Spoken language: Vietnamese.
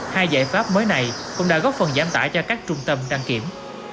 hai giải pháp mới này cũng đã góp phần giảm tải cho các trung tâm đăng kiểm